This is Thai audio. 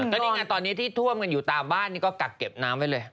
ก็นี่ไงตอนนี้ที่ท่วมกันอยู่ตามบ้านนี่ก็กักเก็บน้ำไว้เลย